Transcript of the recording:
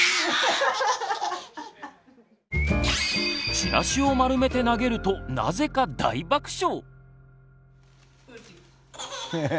チラシを丸めて投げるとなぜか大爆笑！